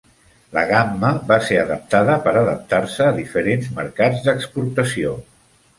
La gamma va ser adaptada per adaptar-se a diferents mercats d'exportació.